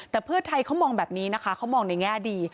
แต่เพื่อไทยเขามองแบบนี้นะคะเขามองในแง่ดี